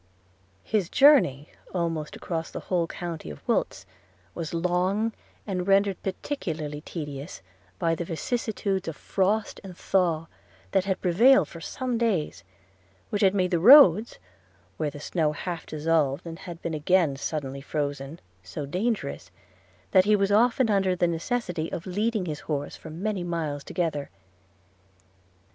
His journey, almost across the whole county of Wilts, was long, and rendered particularly tedious by the vicissitudes of frost and thaw that had prevailed for some days – which had made the roads, where the snow half dissolved had been again suddenly frozen, so dangerous, that he was often under the necessity of leading his horse for many miles together.